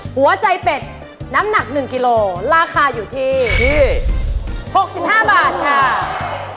หัวใจเป็ดน้ำหนักหนึ่งกิโลราคาอยู่ที่ที่หกสิบห้าบาทค่ะ